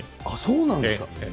そうなんですか。